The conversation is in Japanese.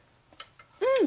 うん！